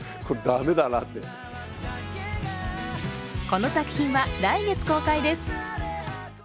この作品は、来月公開です。